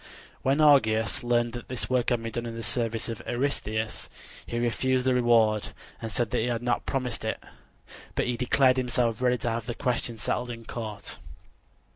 When Augeas learned that this work had been done in the service of Eurystheus, he refused the reward and said that he had not promised it; but he declared himself ready to have the question settled in court.